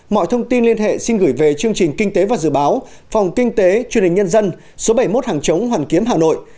mọi thông tin liên hệ xin gửi về chương trình kinh tế và dự báo phòng kinh tế truyền hình nhân dân số bảy mươi một hàng chống hoàn kiếm hà nội